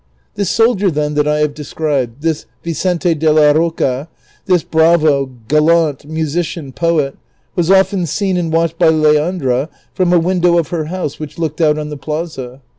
This soldier, then, that I have described, this Vicente de la Roca, this bravo, gallant, musician, poet, was often seen and watched by Leandra from a window of her house which looked out on the plaza.